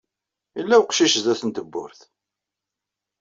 Yella uqcic sdat n tewwurt.